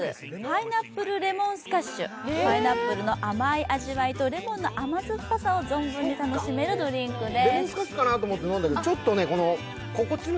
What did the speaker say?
パイナップル・レモンスカッシュ、パイナップルの甘い味わいとレモンの甘酸っぱさを存分に楽しめるドリンクです。